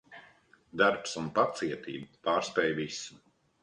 Darbs un pacietība pārspēj visu.